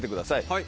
はい。